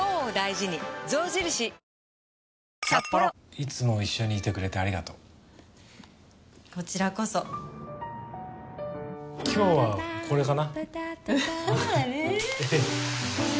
いつも一緒にいてくれてありがとうこちらこそ今日はこれかな